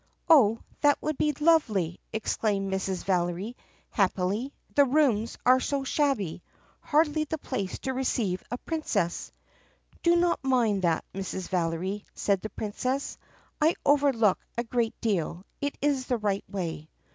"Oh, that will be lovely!" exclaimed Mrs. Valery happily. "The rooms are so shabby — hardly the place to receive a Prin cess." "Do not mind that, Mrs. Valery," said the Princess. "I overlook a great deal. It is the right way."